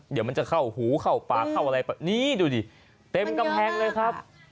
เดี๋ยวมันจะเข้าหูเข้าปากเข้าอะไรนี่ดูดิเต็มกำแพงเลยครับ